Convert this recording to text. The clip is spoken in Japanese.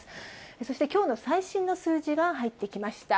そしてきょうの最新の数字が入ってきました。